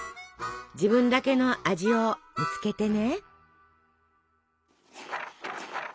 自分だけの味を見つけてね。